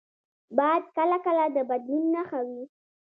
باد کله کله د بدلون نښه وي